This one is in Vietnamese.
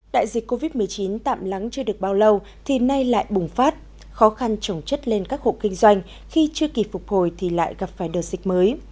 đại dịch covid một mươi chín tạm lắng chưa được bao lâu thì nay lại bùng phát khó khăn trồng chất lên các hộ kinh doanh khi chưa kịp phục hồi thì lại gặp phải đợt dịch mới